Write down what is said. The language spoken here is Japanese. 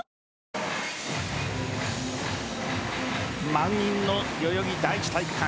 満員の代々木第一体育館。